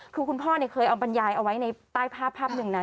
คือคุณพ่อเคยเอาบรรยายเอาไว้ในใต้ภาพภาพหนึ่งนะ